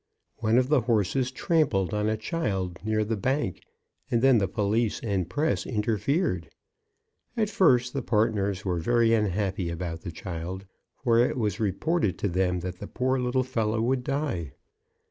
One of the horses trampled on a child near the Bank, and then the police and press interfered. At first the partners were very unhappy about the child, for it was reported to them that the poor little fellow would die.